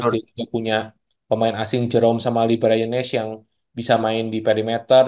dia punya pemain asing jerome sama libra yonesh yang bisa main di perimeter